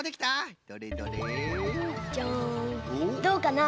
どうかな？